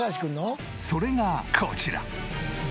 それがこちら。